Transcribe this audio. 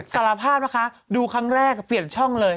สารภาพนะคะดูครั้งแรกเปลี่ยนช่องเลย